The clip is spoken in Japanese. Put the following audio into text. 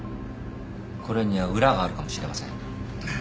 これには裏があるかもしれません。